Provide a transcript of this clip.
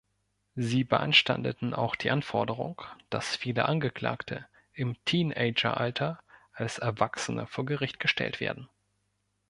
Sie beanstandeten auch die Anforderung, dass viele Angeklagte im Teenageralter als Erwachsene vor Gericht gestellt werden.